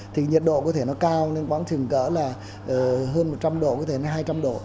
thì nhiệt độ có thể nó cao đến khoảng trường cỡ là hơn một trăm linh độ có thể hai trăm linh độ